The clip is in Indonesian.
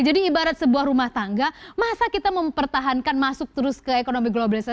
jadi ibarat sebuah rumah tangga masa kita mempertahankan masuk terus ke ekonomi globalisasi